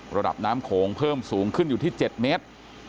ระดับน้ำโขงเพิ่มสูงขึ้นอยู่ที่๗เมตร